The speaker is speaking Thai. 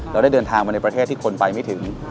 เราได้เดินทางมาในประเทศที่คนไปไม่ถึง